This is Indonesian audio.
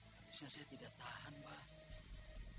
habisnya saya tidak tahan pak